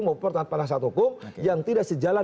maupun penasihat hukum yang tidak sejalan